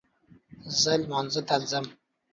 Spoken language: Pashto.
زه لمانځه ته ځم